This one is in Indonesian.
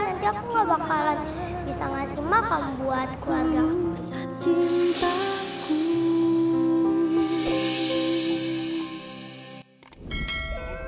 nanti aku gak bakalan bisa ngasih makan buatku